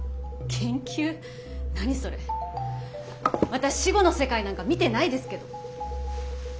私死後の世界なんか見てないですけど。